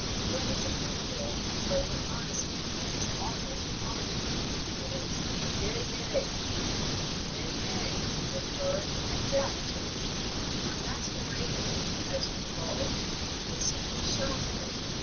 Gwen is a good girl, but her honesty is almost clumsy it is yea, yea, and nay, nay, with her and Jack too. My masquerading, as you call it, would simply shock her.